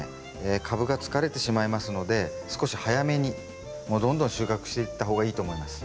株が疲れてしまいますので少し早めにもうどんどん収穫していった方がいいと思います。